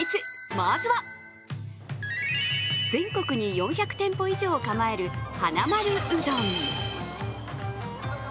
まずは全国に４００店舗以上を構えるはなまるうどん。